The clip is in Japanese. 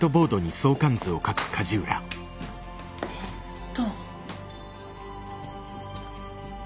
えっと。